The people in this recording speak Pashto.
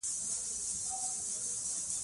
افغانستان د سیندونه د پلوه ځانته ځانګړتیا لري.